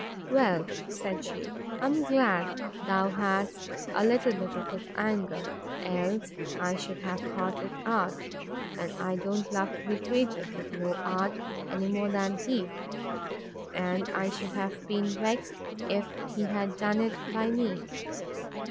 Well, said she, I'm glad thou hadst a little bit of his anger; else I should have thought it art; and I don't love to be treated with low art, any more than he; and I should have been vexed if he had done it by me.